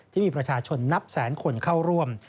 ที่มีประชาชนนับแสนคนเข้าร่วม